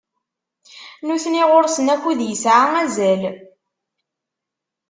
Nutni ɣur-sen akud yesɛa azal.